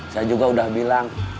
saya juga udah bilang